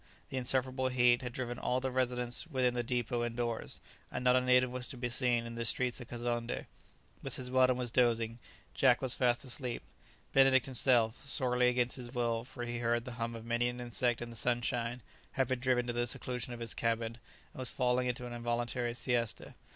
The insufferable heat had driven all the residents within the dépôt indoors, and not a native was to be seen in the streets of Kazonndé. Mrs. Weldon was dozing; Jack was fast asleep. Benedict himself, sorely against his will, for he heard the hum of many an insect in the sunshine, had been driven to the seclusion of his cabin, and was falling into an involuntary siesta.